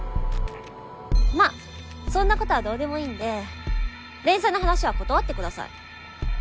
まあそんな事はどうでもいいんで連載の話は断ってください。